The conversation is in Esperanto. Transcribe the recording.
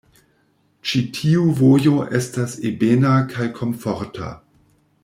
Ĉi tiu vojo estas ebena kaj komforta.